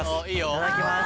いただきます。